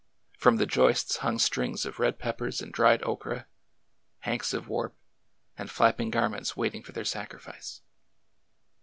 From the joists hung strings of red pep pers and dried okra, hanks of warp, and flapping garments waiting for their sacrifice.